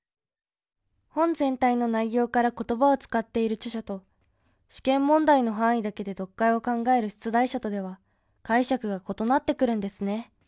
本全体の内容から言葉を使っている著者と試験問題の範囲だけで読解を考える出題者とでは解釈が異なってくるんですね。